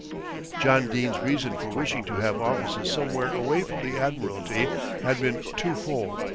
John Dene's reason for wishing to have offices somewhere away from the Admiralty had been twofold.